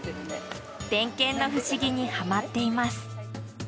デンケンの不思議にハマっています。